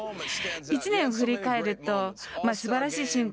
１年を振り返るとすばらしい瞬間